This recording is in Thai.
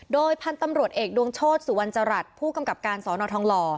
โดยพันธุ์ตำรวจเอกดวงโชธสุวรรณจรัฐผู้กำกับการสอนอทองหล่อ